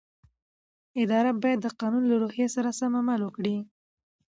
اداره باید د قانون له روحیې سره سم عمل وکړي.